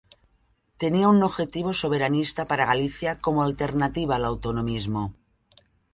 Tenía un objetivo soberanista para Galicia como alternativa al autonomismo.